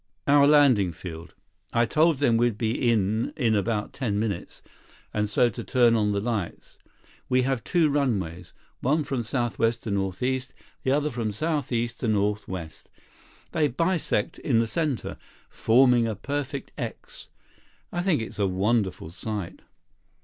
"Our landing field. I told them we'd be in in about ten minutes and to turn on the lights. We have two runways. One from southwest to northeast. The other from southeast to northwest. They bisect in the center, forming a perfect 'X.' I think it's a wonderful sight."